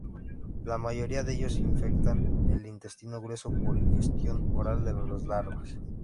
La mayoría de ellos infectan el intestino grueso por ingestión oral de las larvas.